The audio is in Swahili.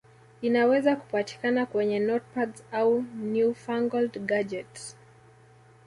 Inaweza kupatikana kwenye notepads au newfangled gadget